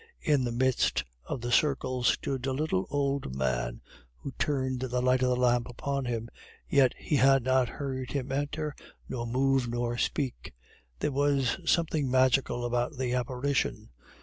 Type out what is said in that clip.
In the midst of the circle stood a little old man who turned the light of the lamp upon him, yet he had not heard him enter, nor move, nor speak. There was something magical about the apparition.